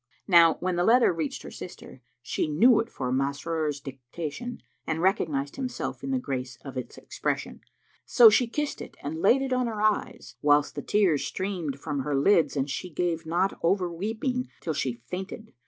Now when the letter reached her sister, she knew it for Masrur's dictation and recognised himself in the grace of its expression. So she kissed it and laid it on her eyes, whilst the tears streamed from her lids and she gave not over weeping, till she fainted.